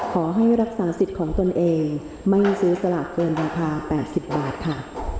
ขอให้รักษาสิทธิ์ของตนเองไม่ซื้อสลากเกินราคา๘๐บาทค่ะ